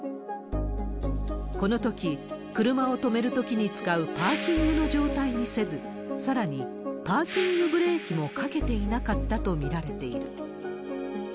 このとき、車を止めるときに使うパーキングの状態にせず、さらにパーキングブレーキもかけていなかったと見られている。